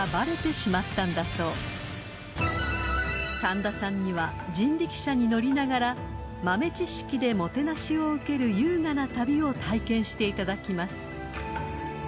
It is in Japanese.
［神田さんには人力車に乗りながら豆知識でもてなしを受ける優雅な旅を体験していただきます］